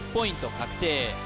確定